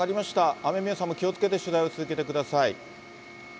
雨宮さんも気をつけて取材を続けてください。